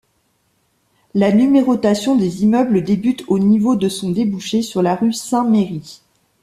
La numérotation des immeubles débute au niveau de son débouché sur la rue Saint-Merri.